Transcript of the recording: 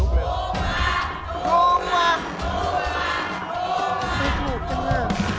โห้วะโห้วะโห้วะโห้วะโห้วะ